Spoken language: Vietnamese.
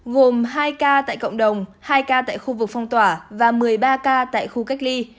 gồm hai ca tại cộng đồng hai ca tại khu vực phong tỏa và một mươi ba ca tại khu cách ly